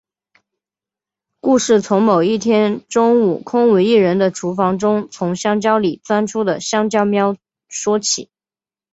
故事从某一天中午空无一人的厨房中从香蕉里钻出的香蕉喵说起。